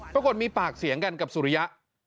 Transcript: ปรากฏมีปากเสียงกันกับสุริยะ